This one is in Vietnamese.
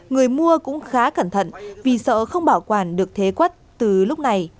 người mua cũng khá cẩn thận vì sợ không bảo quản được thế quất từ lúc này